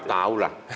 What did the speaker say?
gak tau lah